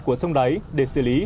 của sông đáy để xử lý